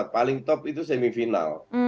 paling top itu semifinal